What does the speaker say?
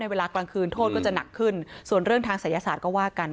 เวลากลางคืนโทษก็จะหนักขึ้นส่วนเรื่องทางศัยศาสตร์ก็ว่ากัน